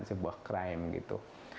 sebuah crime gitu